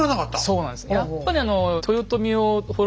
そうなんです。